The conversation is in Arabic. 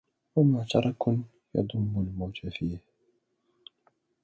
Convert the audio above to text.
ومعترك يضم الموت فيه